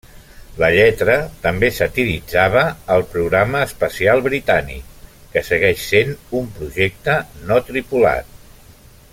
La lletra també satiritzava el programa espacial britànic, que segueix sent un projecte no tripulat.